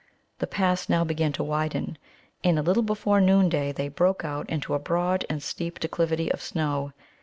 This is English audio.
The pass now began to widen, and a little before noonday they broke out into a broad and steep declivity of snow.